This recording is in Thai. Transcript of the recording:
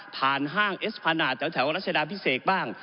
ผ่านห้างเอสพาณาแถวราชดาพิเศษบ้าง